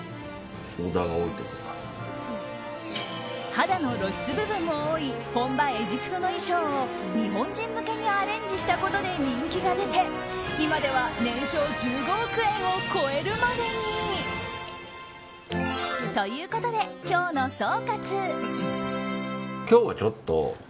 肌の露出部分も多い本場エジプトの衣装を日本人向けにアレンジしたことで人気が出て今では年商１５億円を超えるまでに。ということで、今日の総括。